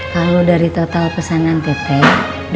kalau dari total pesanan betek